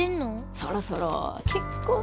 そろそろ結婚とか。